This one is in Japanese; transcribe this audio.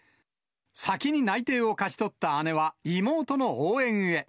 先に内定を勝ち取った姉は妹の応援へ。